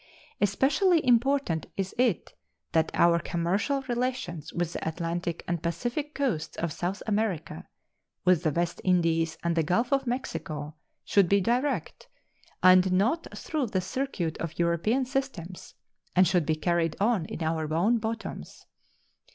Especially important is it that our commercial relations with the Atlantic and Pacific coasts of South America, with the West Indies and the Gulf of Mexico, should be direct, and not through the circuit of European systems, and should be carried on in our own bottoms.